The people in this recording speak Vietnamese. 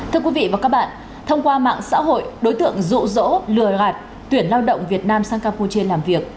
thưa quý vị và các bạn thông qua mạng xã hội đối tượng rụ rỗ lừa loạt tuyển lao động việt nam sang campuchia làm việc